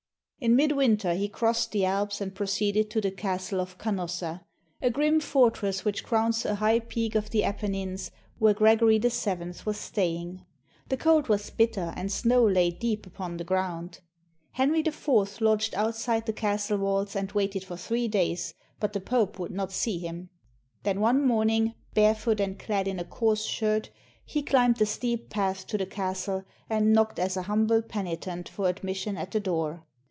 In mid winter he crossed the Alps and proceeded to the Castle of Canossa, a grim fortress which crowns a high peak of the Apennines, where Gregory VII was staying. The cold was bitter and snow lay deep upon the ground. Henry IV lodged outside the castle walls and waited for three days, but the Pope would not see him. Then one morning, barefoot and clad in a coarse shirt, he climbed the steep path to the castle, and knocked as a humble penitent for admission at the door.